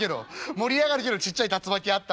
盛り上がるけどちっちゃい竜巻あったら」。